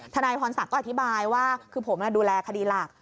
นายพรศักดิ์ก็อธิบายว่าคือผมดูแลคดีหลัก